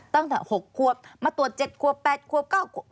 ตั้งแต่๖ขวบมาตรวจ๗ขวบ๘ขวบ๙ขวบ